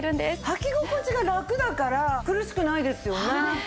はき心地がラクだから苦しくないですよね。